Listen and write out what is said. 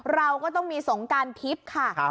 เราก็ต้องมีสงการทิพย์ค่ะ